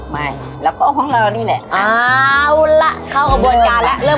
ไม่แล้วก็ของเรานี่แหละอ่าอุละเข้ากับบวนการแล้ว